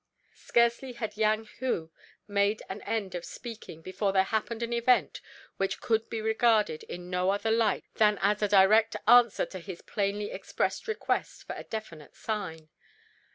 Scarcely had Yang Hu made an end of speaking before there happened an event which could be regarded in no other light than as a direct answer to his plainly expressed request for a definite sign.